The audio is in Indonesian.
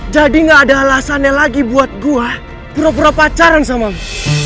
jadi gak ada alasannya lagi buat gue pura pura pacaran sama lo